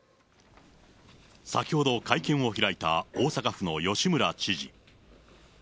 先ほど会見を開いた大阪府の吉村知事。